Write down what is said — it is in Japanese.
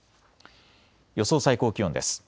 予想最高気温です。